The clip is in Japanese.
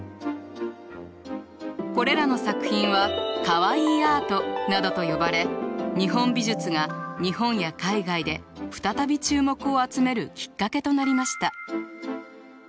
これらの作品は「カワイイアート」などと呼ばれ日本美術が日本や海外で再び注目を集めるきっかけとなりました。